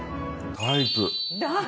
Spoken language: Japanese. タイプ。